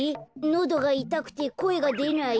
のどがいたくてこえがでない？